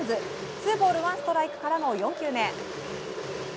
ツーボールワンストライクからの４球目。